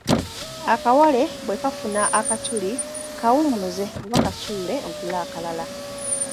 Akawale bwekafuna akatuli, kawummuze oba kasuule ogule akalala.